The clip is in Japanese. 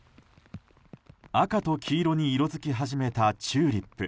赤と黄色に色づき始めたチューリップ。